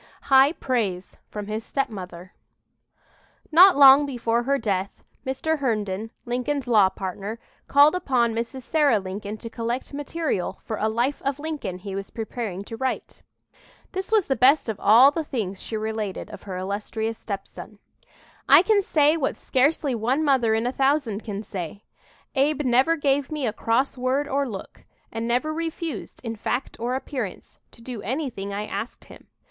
HIGH PRAISE FROM HIS STEPMOTHER Not long before her death, Mr. Herndon, Lincoln's law partner, called upon Mrs. Sarah Lincoln to collect material for a "Life of Lincoln" he was preparing to write. This was the best of all the things she related of her illustrious stepson: "I can say what scarcely one mother in a thousand can say, Abe never gave me a cross word or look, and never refused, in fact or appearance, to do anything I asked him.